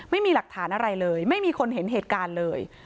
ไม่มีหลักฐานอะไรเลยไม่มีคนเห็นเหตุการณ์เลย